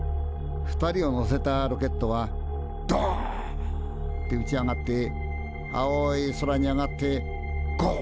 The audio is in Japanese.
２人を乗せたロケットはドンッて打ち上がって青い空に上がってゴオ。